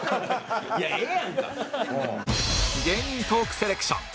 芸人トーークセレクション